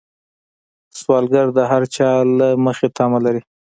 سوالګر د هر چا له مخې تمه لري